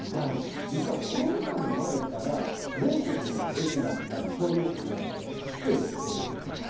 実はコロナ禍の前から全国の駅だったり、商業施設などで増えてきているわけなんです。